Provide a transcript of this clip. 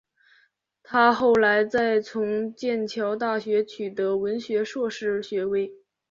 她后来再从剑桥大学取得文学硕士学位。